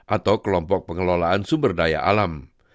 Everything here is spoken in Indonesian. atau kelompok pengelolaan sumber daya alam